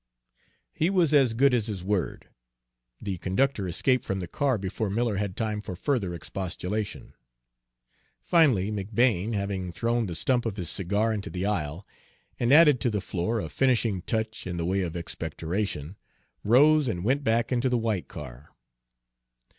He was as good as his word. The conductor escaped from the car before Miller had time for further expostulation. Finally McBane, having thrown the stump of his cigar into the aisle and added to the floor a finishing touch in the way of expectoration, rose and went back into the white car.